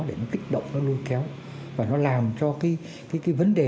để nó kích động nó nuôi kéo và nó làm cho cái vấn đề